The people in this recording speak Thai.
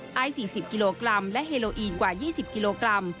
๕ล้านเมตรไอ๔๐กิโลกรัมและเฮโลอีนกว่า๒๐กิโลกรัม